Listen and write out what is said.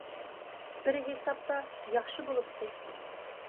بىر ھېسابتا ياخشى بولۇپتۇ.